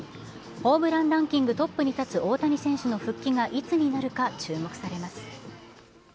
ホームランランキングトップに立つ大谷選手の復帰がいつになるか注目されます。